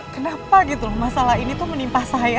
kenapa gitu loh masalah ini tuh menimpa saya